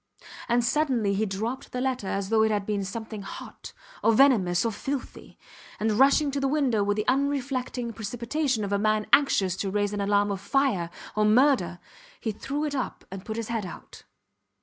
And suddenly he dropped the letter as though it had been something hot, or venomous, or filthy; and rushing to the window with the unreflecting precipitation of a man anxious to raise an alarm of fire or murder, he threw it up and put his head out.